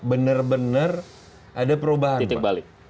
bener bener ada perubahan pak